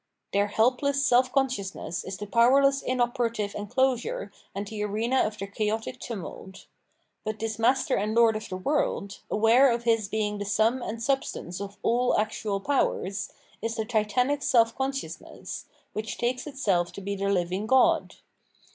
Their help less self consciousness is the powerless inoperative en closure and the arena of their chaotic tumult. But this master and lord of the world, aware of his being the sum and substance of ah actual powers, is the titanic self consciousness, which takes itself to be the hving God.